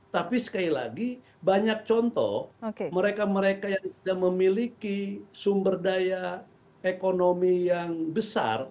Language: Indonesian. tapi sekali lagi banyak contoh mereka mereka yang tidak memiliki sumber daya ekonomi yang besar